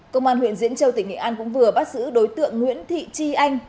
công an huyện diễn châu tỉnh nghệ an cũng vừa bắt giữ đối tượng nguyễn thị tri anh